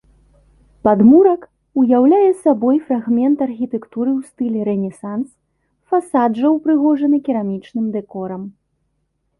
Падмурак уяўляе сабой фрагмент архітэктуры ў стылі рэнесанс, фасад жа ўпрыгожаны керамічным дэкорам.